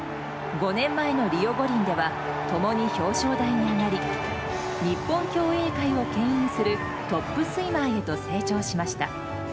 ５年前のリオ五輪では共に表彰台に上がり日本競泳界を牽引するトップスイマーへと成長しました。